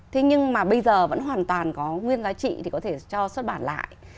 thế nhưng mà bây giờ vẫn hoàn toàn có nguyên giá trị thì có thể cho xuất bản lại